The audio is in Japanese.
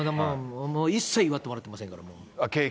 もう、一切祝ってもらってませんから。